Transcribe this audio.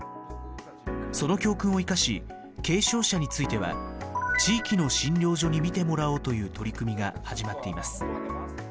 その教訓を生かし軽症者については地域の診療所に診てもらおうという取り組みが始まっています。